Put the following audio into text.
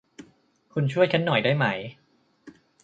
คุณช่วยฉันหน่อยได้ไหม ?